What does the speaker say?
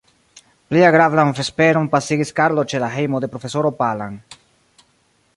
Plej agrablan vesperon pasigis Karlo ĉe la hejmo de profesoro Palam.